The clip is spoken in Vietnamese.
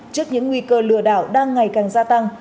trước những nguy cơ lừa đảo đang ngày càng gia tăng